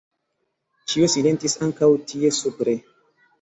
Ĉio silentis ankaŭ tie supre.